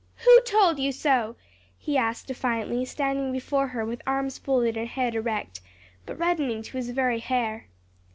"Who told you so?" he asked defiantly, standing before her with arms folded and head erect, but reddening to his very hair.